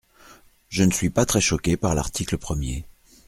Je ne suis pas très choqué par l’article premier.